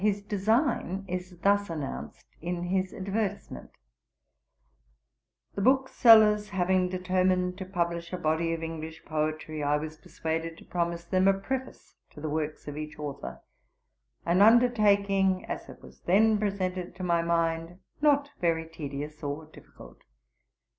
His design is thus announced in his Advertisement: 'The Booksellers having determined to publish a body of English Poetry, I was persuaded to promise them a Preface to the works of each authour; an undertaking, as it was then presented to my mind, not very tedious or difficult.